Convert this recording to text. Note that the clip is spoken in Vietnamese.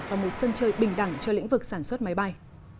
và một sân chơi bình đẳng cho lĩnh vực sản xuất máy bay